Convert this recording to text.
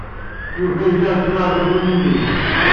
Yuba yella yettwaɛbed am uyuc.